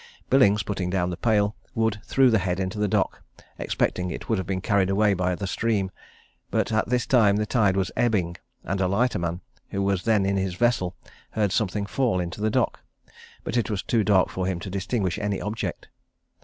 Billings putting down the pail, Wood threw the head into the dock, expecting it would have been carried away by the stream; but at this time the tide was ebbing, and a lighterman, who was then in his vessel, heard something fall into the dock, but it was too dark for him to distinguish any object.